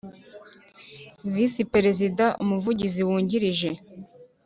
Visi perezida Umuvugizi Wungirije